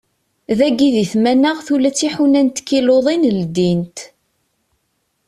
Dagi di tmanaɣt ula d tiḥuna n tkiluḍin ldint.